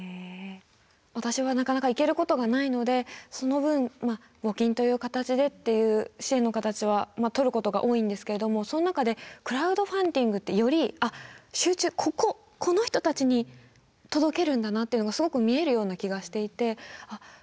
私はなかなか行けることがないのでその分募金という形でっていう支援の形はとることが多いんですけれどもその中でクラウドファンディングってより集中こここの人たちに届けるんだなっていうのがすごく見えるような気がしていてあっ